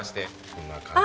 こんな感じで。